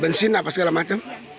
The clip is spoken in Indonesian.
bensin apa segala macam